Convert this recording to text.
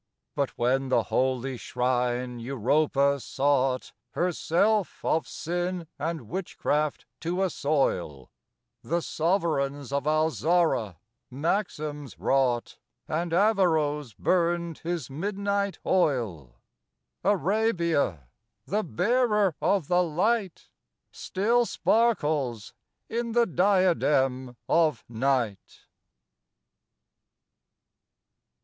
But when the holy shrine Europa sought, Herself of sin and witchcraft to assoil, The sovereigns of Al Zahra maxims wrought And Averroes burned his midnight oil;— Arabia, the bearer of the light, Still sparkles in the diadem of Night.